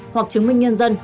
hoặc chứng minh nhân dân